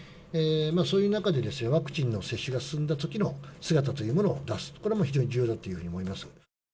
そういう中でワクチンの接種が進んだときの姿というものを出す、これも非常に重要だというふうに思います。